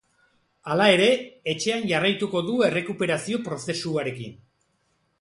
Hala ere, etxean jarraituko du errekuperazio prozesuarekin.